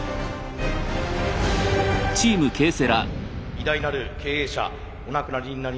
偉大なる経営者お亡くなりになりました